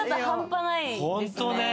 ホントね。